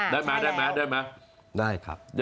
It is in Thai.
ได้มั้ย